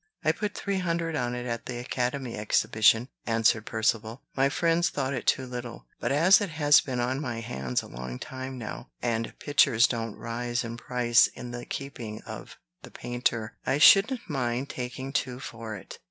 "I put three hundred on it at the Academy Exhibition," answered Percivale. "My friends thought it too little; but as it has been on my hands a long time now, and pictures don't rise in price in the keeping of the painter, I shouldn't mind taking two for it."